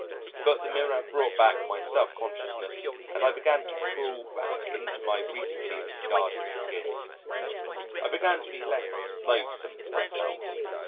But the mirror brought back my self consciousness and I began to crawl back into my recently discarded skin I began to be less loathesome to myself.